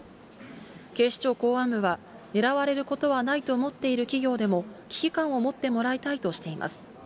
警視庁公安部は、狙われることはないと思っている企業でも、危機感を持ってもらいたいとしています。